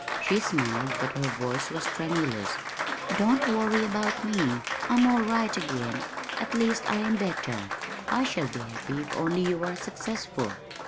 She smiled, but her voice was tremulous. "Don't worry about me. I'm all right again at least I am better. I shall be happy if only you are successful."